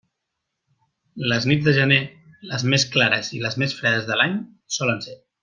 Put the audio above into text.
Les nits de gener, les més clares i les més fredes de l'any solen ser.